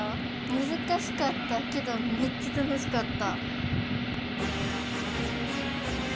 むずかしかったけどめっちゃたのしかった。